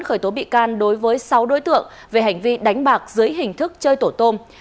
khởi tố bị can đối với sáu đối tượng về hành vi đánh bạc dưới hình thức chơi tổ tôm